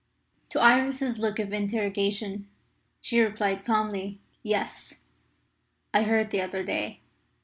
To Iris's look of interrogation she replied calmly, "Yes, I heard the other day.